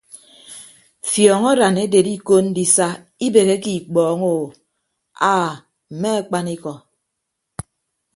Fiọñ aran eded iko ndisa ibeheke ikpọño aa mme akpanikọ.